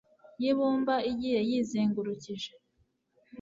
y ibumba igiye yizengurukije